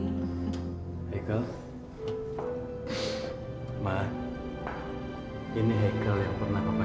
dia mau pake pesan dari yang dapur kan